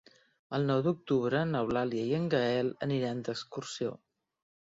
El nou d'octubre n'Eulàlia i en Gaël aniran d'excursió.